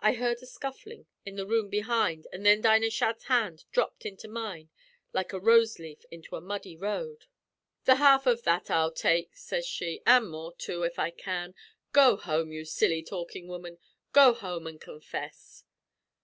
"I heard a scufflin' in the room behind, and thin Dinah Shadd's hand dhropped into mine like a roseleaf into a muddy road. "'The half av that I'll take,' sez she, 'an' more too, if I can. Go home, ye silly talkin' woman go home an' confess.'